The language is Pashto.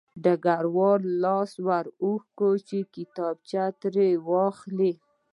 ډګروال لاس ور اوږد کړ چې کتابچه ترې راواخلي